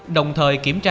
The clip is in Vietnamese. đồng thời kiểm tra